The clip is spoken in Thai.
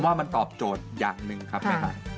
ว่ามันตอบโจทย์อย่างหนึ่งครับแม่ตาย